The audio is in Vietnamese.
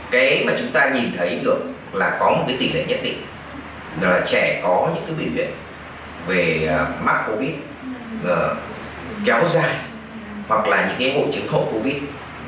cái mà chúng ta nhìn thấy được là có một cái tỷ lệ nhất định đó là trẻ có những cái biểu hiện về mắc covid kéo dài hoặc là những hội chứng hậu covid